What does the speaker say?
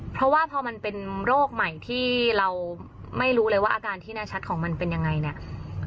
เพราะว่าพอมันเป็นโรคใหม่ที่เราไม่รู้เลยว่าอาการที่แน่ชัดของมันเป็นยังไงเนี่ย